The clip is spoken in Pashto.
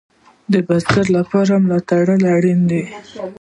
د بزګر لپاره ملاتړ اړین دی